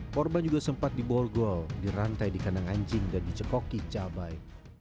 korban juga sempat diborgol dirantai di kandang anjing dan dicekoki cabai